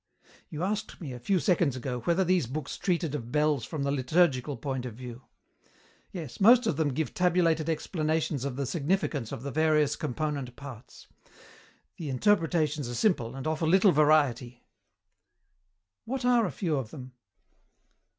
"You asked me, a few seconds ago, whether these books treated of bells from the liturgical point of view. Yes, most of them give tabulated explanations of the significance of the various component parts. The interpretations are simple and offer little variety." "What are a few of them?"